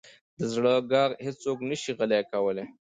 د زړه ږغ هیڅوک نه شي غلی کولی.